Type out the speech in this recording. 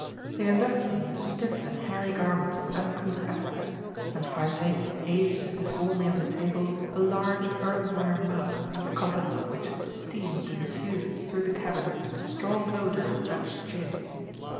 They inducted me into stiff and hairy garments of uncouth aspect, and finally, Abe set before me on the table a large earthenware mug, the contents of which steamed and diffused through the cabin a strong odour of Dutch gin.